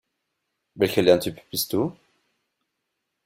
Welcher Lerntyp bist du?